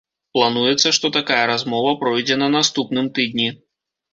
Плануецца, што такая размова пройдзе на наступным тыдні.